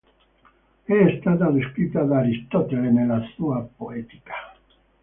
È stata descritta da Aristotele nella sua "Poetica".